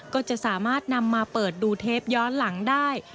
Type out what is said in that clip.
ก็จะสามารถนำมาเปิดดูเทปย้อนหลังได้